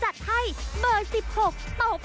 สวัสดีครับทุกคน